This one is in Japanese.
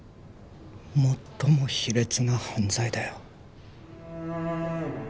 最も卑劣な犯罪だよ